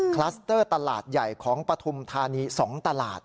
คลัสเตอร์ตลาดใหญ่ของปฐุมธานี๒ตลาด